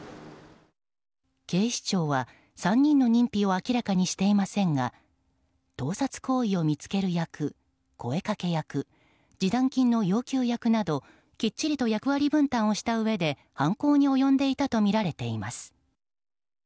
警視庁は３人の認否を明らかにしていませんが盗撮行為を見つける役、声かけ役示談金の要求役などきっちりと役割分担をしたうえで犯行に及んでいたとみられています。